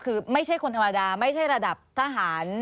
คือไม่ใช่คนธรรมดาไม่ใช่ระดับทหาร